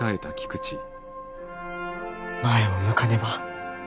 前を向かねば。